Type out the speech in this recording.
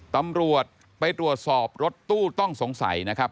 ตำรวจไปตรวจสอบรถตู้ต้องสงสัยนะครับ